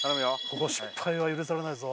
ここ失敗は許されないぞ。